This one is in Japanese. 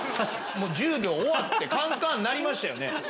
１０秒終わってカンカン鳴りましたよね？